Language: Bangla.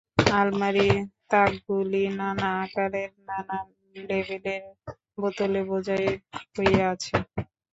আলমারির তাকগুলি নানা আকারের নানা লেবেলের বোতলে বোঝাই হইয়া আছে।